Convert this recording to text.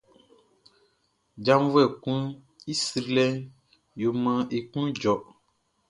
Djavuɛ kun i srilɛʼn yo maan e klun jɔ.